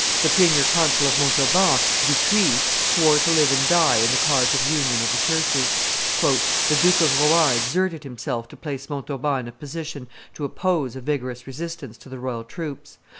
The premier consul of Montauban, Dupuy, swore to live and die in the cause of union of the churches. "The Duke of Rohan exerted himself to place Montauban in a position to oppose a vigorous resistance to the royal troops.